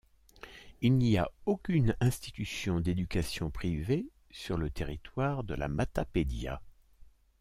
Il n'y a aucune institution d'éducation privée sur le territoire de La Matapédia.